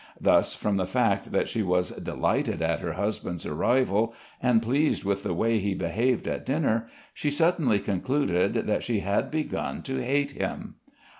Thus from the fact that she was delighted at her husband's arrival and pleased with the way he behaved at dinner, she suddenly concluded that she had begun to hate him.